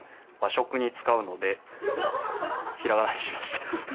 しょくにつかうのでひらがなにしました。